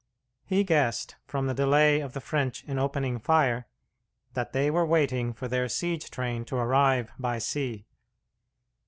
He guessed, from the delay of the French in opening fire, that they were waiting for their siege train to arrive by sea.